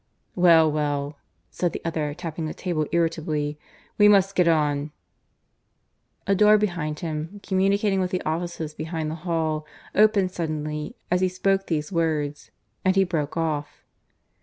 "Well, well," said the other, tapping the table irritably. "We must get on " A door behind him, communicating with the offices behind the hall, opened suddenly as he spoke these words, and he broke off.